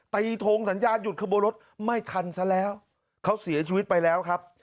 ทงสัญญาณหยุดขบวนรถไม่ทันซะแล้วเขาเสียชีวิตไปแล้วครับ